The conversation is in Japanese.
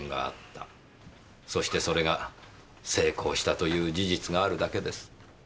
そしてそれが成功したという事実があるだけです。